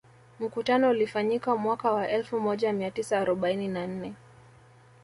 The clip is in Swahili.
Mkutano ulifanyika mwaka wa elfu moja mia tisa arobaini na nne